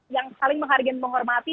yang paling menghargai dan menghormati